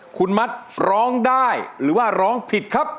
คุณมัดร้องได้หรือว่าร้องผิดครับ